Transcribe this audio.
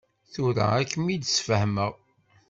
Tura ad kem-id-sfehmeɣ.